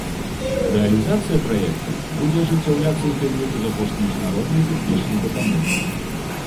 Рэалізацыя праекта будзе ажыццяўляцца ў тым ліку за кошт міжнароднай тэхнічнай дапамогі.